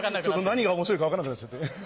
何が面白いか分かんなくなっちゃって。